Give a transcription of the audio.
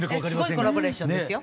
すごいコラボレーションですよ。